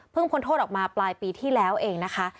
พ้นโทษออกมาปลายปีที่แล้วเองนะคะ